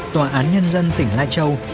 tòa án nhân dân tỉnh lai châu